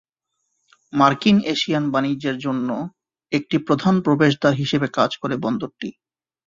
মার্কিন-এশিয়ান বাণিজ্যের জন্য একটি প্রধান প্রবেশদ্বার হিসাবে কাজ করে বন্দরটি।